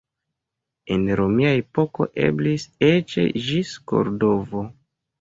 En romia epoko eblis eĉ ĝis Kordovo.